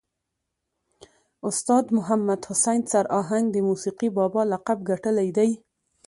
استاذ محمد حسین سر آهنګ د موسیقي بابا لقب ګټلی دی.